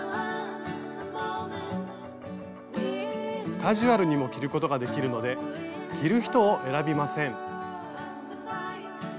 カジュアルにも着ることができるので着る人を選びません。